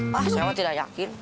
mas yama tidak yakin